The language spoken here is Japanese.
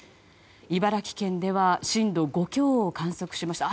茨城県では震度５強を観測しました。